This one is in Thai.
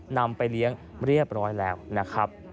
นำไปเลี้ยงเรียบร้อยแล้วนะครับ